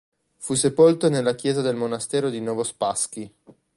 Fu sepolto nella chiesa del monastero di Novospassky.